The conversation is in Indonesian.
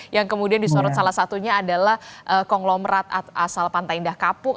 yang kemudian disorot salah satunya adalah konglomerat asal pantai indah kapuk